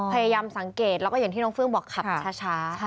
พยายามสังเกตแล้วก็อย่างที่น้องเฟื่องบอกขับช้า